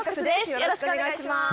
よろしくお願いします。